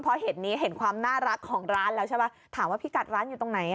พอเห็นนี้เห็นความน่ารักของร้านแล้วใช่ไหมถามว่าพี่กัดร้านอยู่ตรงไหน